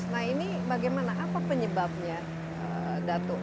nah ini bagaimana apa penyebabnya datu